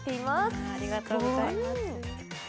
ありがとうございます。